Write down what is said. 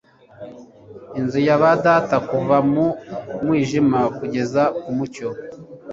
Inzu ya ba data kuva mu mwijima kugeza ku mucyo